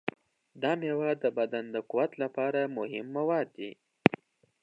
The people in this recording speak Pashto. دا میوه د بدن د قوت لپاره مهم مواد لري.